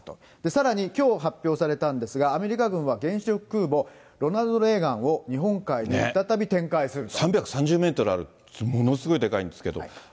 さらにきょう発表されたんですが、アメリカ軍は原子力空母ロナルド・レーガンを日本海に再び展開す３３０メートルある、ものすごいでかいんですけど。